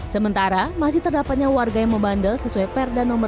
sementara masih terdapatnya warga yang membandel sesuai dengan keinginan pendanaan